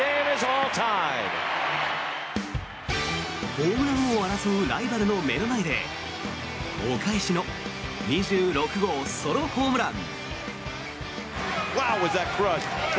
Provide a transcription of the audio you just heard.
ホームラン王を争うライバルの目の前でお返しの２６号ソロホームラン。